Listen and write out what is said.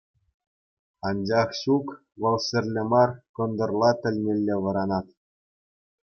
Анчах ҫук — вӑл ҫӗрле мар, кӑнтӑрла тӗлнелле вӑранать.